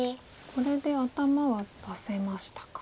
これで頭は出せましたか。